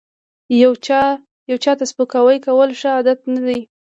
یو چاته سپکاوی کول ښه عادت نه دی